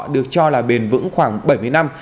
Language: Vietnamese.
được cho là bền vững khoảng bảy mươi năm